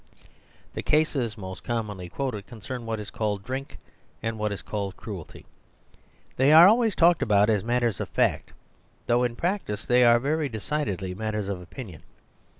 The cases most commonly quoted concern what is called ^Mrink" and what is 118 The Superstition of Divorce called "cruelty." They are always talked about as matters of fact; though in practice they are very decidedly matters of opinion.